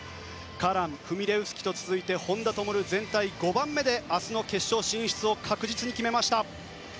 カラン、フミレウスキと続いて本多灯は全体５番目で明日の決勝進出を確実に決めました。